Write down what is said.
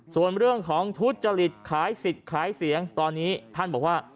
ส่วนเรื่องของทุจริตขายสิทธิ์ขายเสียงตอนนี้ท่านบอกว่า